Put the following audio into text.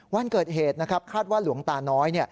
วันเกิดเหตุนะครับคาดว่าหลวงตาน้อย